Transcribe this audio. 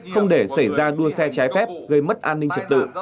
không để xảy ra đua xe trái phép gây mất an ninh trật tự